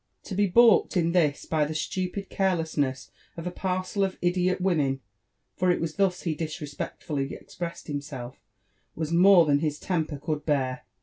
To be balked in this by the stupid carelessness of a parcel of idiot women, — for it was thus he disrespectfully expressed himself,— was more than his temper could bear.